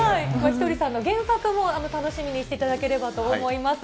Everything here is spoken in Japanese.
ひとりさんの原作も楽しみにしていただければと思います。